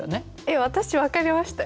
私分かりましたよ。